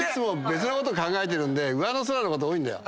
別のこと考えてるんで上の空なこと多いんだよ。